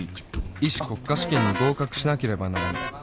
医師国家試験に合格しなければならない